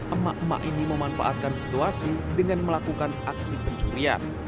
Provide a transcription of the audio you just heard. emak emak ini memanfaatkan situasi dengan melakukan aksi pencurian